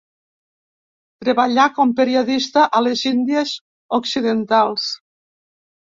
Treballà com periodista a les Índies Occidentals.